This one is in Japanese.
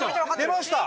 出ました！